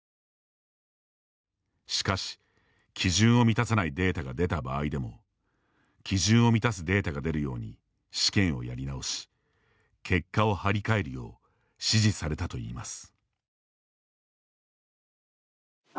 しかし、基準を満たさないデータが出た場合でも基準を満たすデータが出るように試験をやり直し結果を貼り替えるよう指示されたといいます。